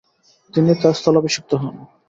তিনি তার স্থলাভিষিক্ত হন।